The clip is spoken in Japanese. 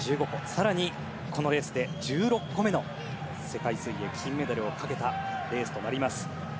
更に、このレースで１６個目の世界水泳金メダルをかけたレースとなります。